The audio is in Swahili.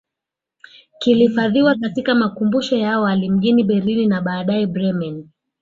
Kilihifadhiwa katika makumbusho ya awali mjini Berlin na baadae Bremen